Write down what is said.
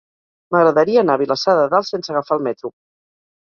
M'agradaria anar a Vilassar de Dalt sense agafar el metro.